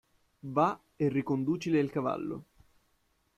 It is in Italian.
Va e riconducile il cavallo.